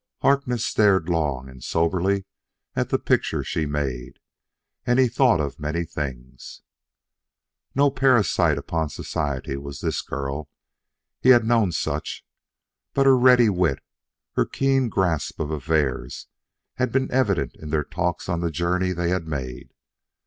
Harkness stared long and soberly at the picture she made, and he thought of many things. No parasite upon society was this girl. He had known such; but her ready wit, her keen grasp of affairs, had been evident in their talks on the journey they had made.